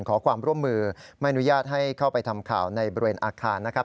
ขอความร่วมมือไม่อนุญาตให้เข้าไปทำข่าวในบริเวณอาคารนะครับ